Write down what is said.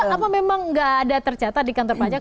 apa memang nggak ada tercatat di kantor pajak